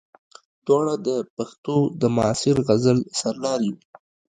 دواړه د پښتو د معاصر غزل سرلاري وو.